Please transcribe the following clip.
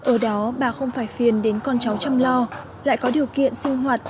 ở đó bà không phải phiền đến con cháu chăm lo lại có điều kiện sinh hoạt